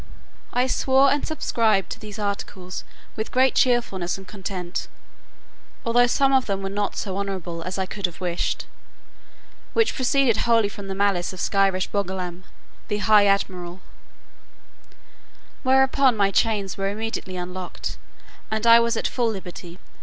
I swore and subscribed to these articles with great cheerfulness and content, although some of them were not so honourable as I could have wished; which proceeded wholly from the malice of Skyresh Bolgolam, the high admiral: whereupon my chains were immediately unlocked, and I was at full liberty.